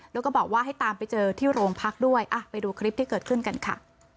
แล้วก็บอกว่าให้ตามไปเจอที่โรงพักด้วยไปดูคลิปที่เกิดขึ้นกันค่ะ